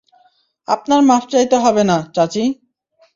আপনার মাফ চাইতে হবে না, চাচী।